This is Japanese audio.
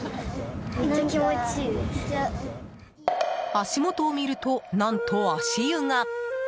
足元を見ると、なんと足湯が。